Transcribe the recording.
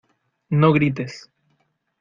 no grites.